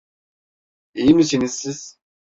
İyi misiniz siz?